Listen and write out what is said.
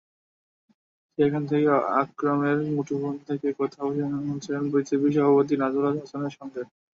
সেখান থেকে আকরামের মুঠোফোন থেকে কথা বলেছেন বিসিবি সভাপতি নাজমুল হাসানের সঙ্গে।